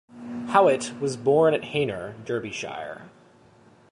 Howitt was born at Heanor, Derbyshire.